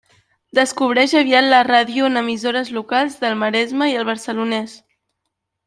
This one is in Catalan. Descobreix aviat la ràdio en emissores locals del Maresme i el Barcelonès.